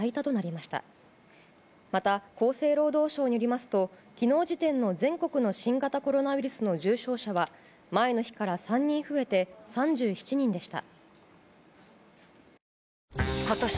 また厚生労働省によりますと昨日時点の全国の新型コロナウイルスの重症者は前の日から３人増えて３７人でした。